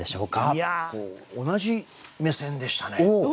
いや同じ目線でしたね。